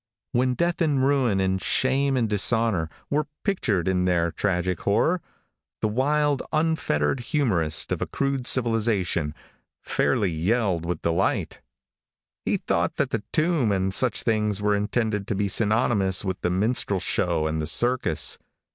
When death and ruin, and shame and dishonor, were pictured in their tragic horror, the wild, unfettered humorist of a crude civilization fairly yelled with delight. He thought that the tomb and such things were intended to be synonymous with the minstrel show and the circus.